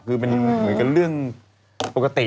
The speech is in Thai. คือมันเหมือนกับเรื่องปกติ